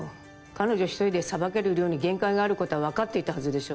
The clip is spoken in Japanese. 彼女一人でさばける量に限界があることは分かっていたはずでしょ